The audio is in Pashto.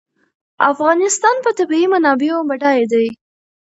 افغانستان په طبیعي منابعو بډای دی.